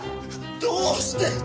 どうして！？